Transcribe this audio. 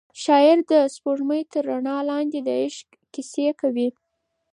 شاعر د سپوږمۍ تر رڼا لاندې د عشق کیسې کوي.